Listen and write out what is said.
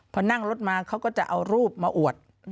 พอนั่งรถมาเขาก็จะเอารูปมาอวด